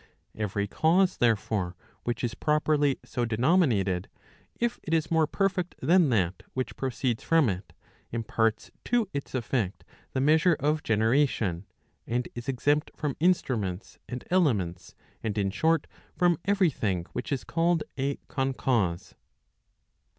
Every cause, therefore, which is properly so denominated, if it is more perfect than that which proceeds from it, imparts to its effect the measure of generation, and is exempt from instruments and elements, and in short, from every thing which is called a concause.